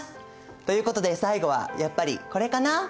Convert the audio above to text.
ということで最後はやっぱりこれかな？